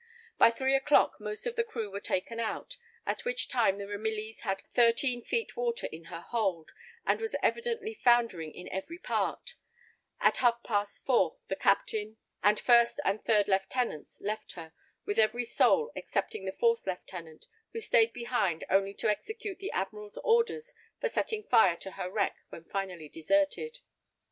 By three o'clock most of the crew were taken out, at which time the Ramillies had thirteen feet water in her hold, and was evidently foundering in every part, at half past four the captain, and first and third lieutenants, left her, with every soul excepting the fourth lieutenant, who staid behind only to execute the admiral's orders for setting fire to her wreck when finally deserted.